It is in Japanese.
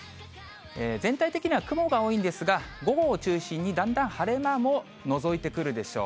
全体的には雲が多いんですが、午後を中心にだんだん晴れ間ものぞいてくるでしょう。